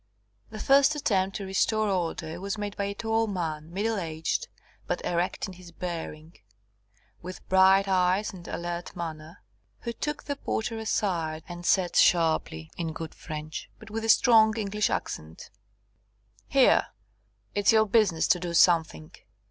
The first attempt to restore order was made by a tall man, middle aged, but erect in his bearing, with bright eyes and alert manner, who took the porter aside, and said sharply in good French, but with a strong English accent: "Here! it's your business to do something.